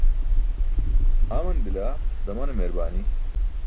aman bila, damane meerbaani